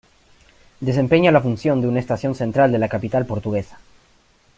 Desempeña la función de una estación central de la capital portuguesa.